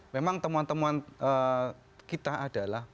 memang temuan temuan kita adalah